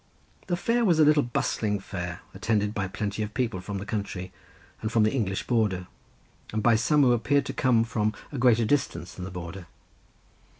The fair was a little bustling fair, attended by plenty of people from the country, and from the English border, and by some who appeared to come from a greater distance than the border.